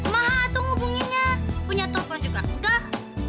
maaf tuh ngubunginnya punya telepon juga enggak